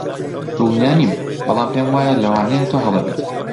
دڵنیا نیم، بەڵام پێم وایە لەوانەیە تۆ هەڵە بیت.